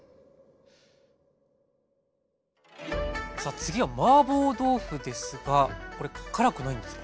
さあ次はマーボー豆腐ですがこれ辛くないんですか？